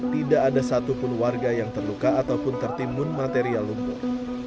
tidak ada satupun warga yang terluka ataupun tertimbun material lumpur